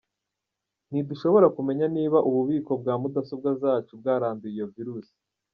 Ntidushobora kumenya niba ububiko bwa mudasobwa zacu bwaranduye iyo virusi.